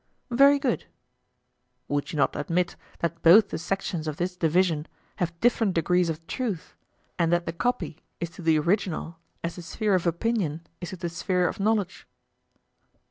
Very good. Would you not admit that both the sections of this division have different degrees of truth, and that the copy is to the original as the sphere of opinion is to the sphere of knowledge?